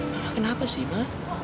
mama kenapa sih ma